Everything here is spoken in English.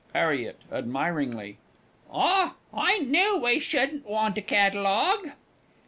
'ARRIET (admiringly). Ah, I knew we shouldn't want a Catalogue.